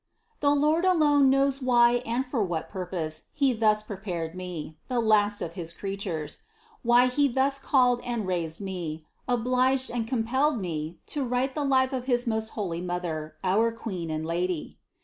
The Lord alone knows why and for what purpose He thus prepared me, the last of his creatures ; why He thus called and raised me, obliged and compelled me, to write the life of his most holy Mother, our Queen and Lady.